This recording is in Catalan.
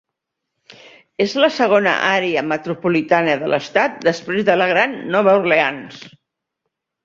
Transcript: És la segona àrea metropolitana de l'estat després de la Gran Nova Orleans.